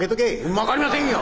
「まかりませんよ。